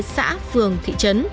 xã phường thị trấn